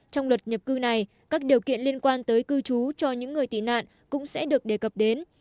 trong luật nhập cư này các điều kiện liên quan tới cư trú cho những người tị nạn cũng sẽ được đề cập đến